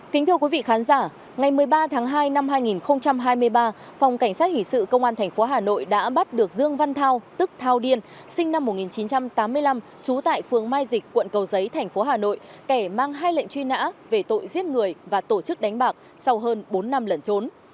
kính thưa quý vị khán giả ngày một mươi ba tháng hai năm hai nghìn hai mươi ba phòng cảnh sát hình sự công an tp hà nội đã bắt được dương văn thao tức thao điên sinh năm một nghìn chín trăm tám mươi năm trú tại phương mai dịch quận cầu giấy thành phố hà nội kẻ mang hai lệnh truy nã về tội giết người và tổ chức đánh bạc sau hơn bốn năm lẩn trốn